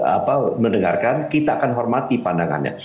apa mendengarkan kita akan hormati pandangannya